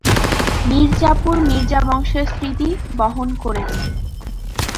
মির্জাপুর মির্জা বংশের স্মৃতি বহন করেছে।